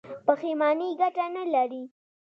پښیماني ګټه نلري.